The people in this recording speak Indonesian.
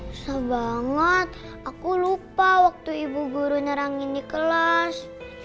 susah banget aku lupa waktu ibu guru nyerangin di kelas